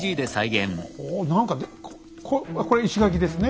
何かこれ石垣ですね